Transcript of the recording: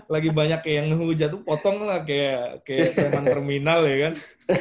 lagi banyak kayak ngehuja tuh potong lah kayak semen terminal ya kan